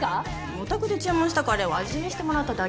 おたくで注文したカレーを味見してもらっただけよ。